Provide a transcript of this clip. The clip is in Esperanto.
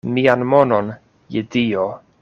Mian monon, je Dio!